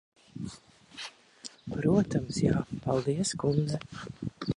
Protams, jā. Paldies, kundze.